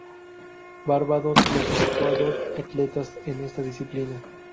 Barbados clasificó a dos atletas en esta disciplina.